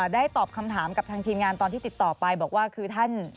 ได้ตอบคำถามกับทางทีมงานตอนที่ติดต่อไปบอกว่าคือท่าน